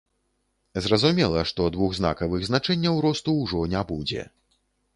Зразумела, што двухзнакавых значэнняў росту ўжо не будзе.